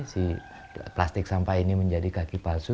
si plastik sampah ini menjadi kaki palsu